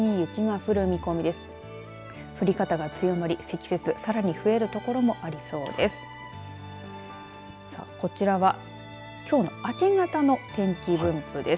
降り方が強まり積雪さらに増える所もありそうです。